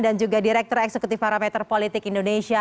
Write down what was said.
dan juga direktur eksekutif parameter politik indonesia